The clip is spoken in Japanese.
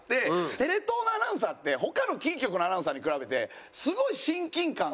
テレ東のアナウンサーって他のキー局のアナウンサーに比べてすごい親近感が。